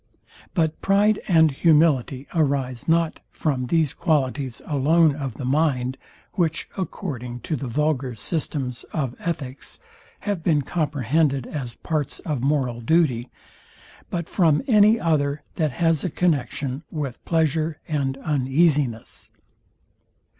But pride and humility arise not from these qualities alone of the mind, which, according to the vulgar systems of ethicks, have been comprehended as parts of moral duty, but from any other that has a connexion with pleasure and uneasiness.